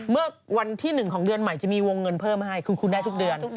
เมื่อวันที่๑ของเดือนใหม่จะมีวงเงินเพิ่มให้คือคุณได้ทุกเดือน